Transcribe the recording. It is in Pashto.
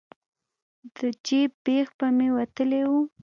د جیب بیخ به مې وتلی و.